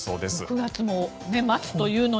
９月も末というのに。